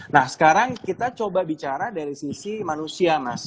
nah sekarang kita coba bicara dari sisi manusia mas